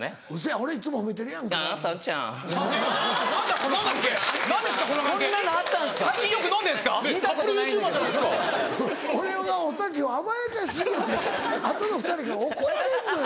俺がおたけを甘やかし過ぎやてあとの２人から怒られんのよ。